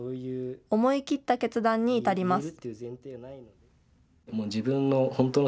思い切った決断に至ります。